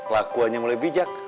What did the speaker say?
lakuannya mulai bijak